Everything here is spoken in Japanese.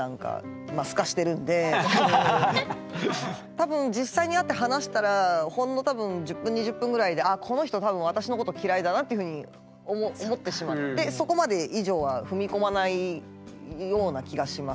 たぶん実際に会って話したらほんの１０分２０分ぐらいでっていうふうに思ってしまってそこまで以上は踏み込まないような気がします。